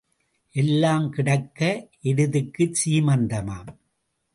எல்லாம் கிடக்க எருதுக்குச் சீமந்தமாம்.